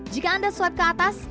jika anda swab ke atas